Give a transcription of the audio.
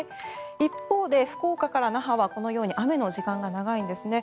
一方で福岡から那覇はこのように雨の時間が長いんですね。